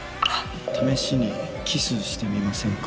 試しにキスしてみませんか？